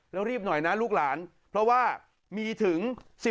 แล้วรีบหน่อยนะลูกหลานเพราะว่ามีถึง